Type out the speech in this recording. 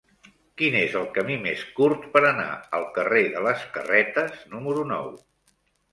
Quin és el camí més curt per anar al carrer de les Carretes número nou?